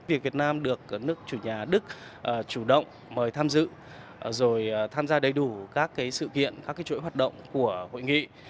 việc việt nam được nước chủ nhà đức chủ động mời tham dự rồi tham gia đầy đủ các sự kiện các chuỗi hoạt động của hội nghị